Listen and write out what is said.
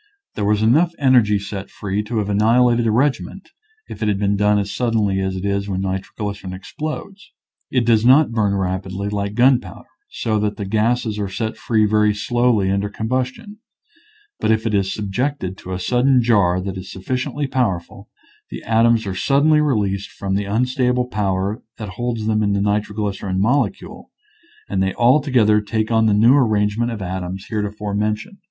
There was enough energy set free to have annihilated a regiment, if it had been done as suddenly as it is when nitro glycerin explodes. It does not burn rapidly like gunpowder, so that the gases are set free very slowly under combustion ; but if it is sub jected to a sudden jar that is sufficiently powerful, the atoms are suddenly released from the unstable power that holds them in the nitroglycerin molecule, and they all to gether take on the new arrangement of atoms / I . Original from UNIVERSITY OF WISCONSIN EjplO0ive0 : pow&er an5 *UtrofllBcertn. 229 heretofore mentioned.